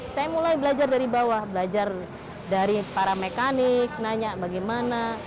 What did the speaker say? saya mulai belajar dari bawah belajar dari para mekanik nanya bagaimana